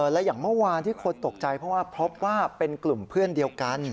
และอย่างเมื่อวานที่คนตกใจเพราะว่าพบว่าเป็นกลุ่มเพื่อนเดียวกัน